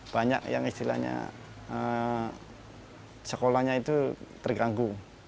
banyak yang istilahnya sekolahnya itu terganggu